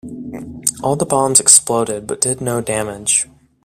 All the bombs exploded but did no damage.